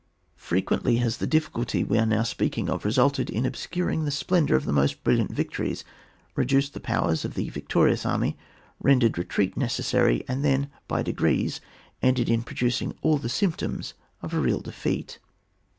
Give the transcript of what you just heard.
Frequentiy has the difficulty we are now speaking of resulted in obscuring the splendour of the most brilliant victories, reduced the powers of the victorious army, rendered retreat neces sary, and then by degrees ended in producing all the symptoms of a real defeat.